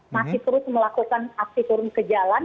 masih terus melakukan aksi turun ke jalan